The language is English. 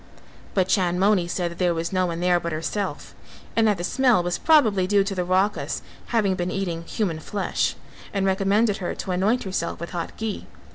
But Chandmoni said that there was no one there but herself; and that the smell was probably due to the Rakhas having been eating human flesh and recommended her to anoint herself with hot ghee.